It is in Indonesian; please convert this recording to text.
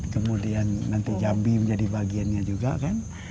kemudian nanti jambi menjadi bagiannya juga kan